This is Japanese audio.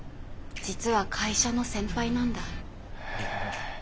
実は会社の先輩なんだ。え。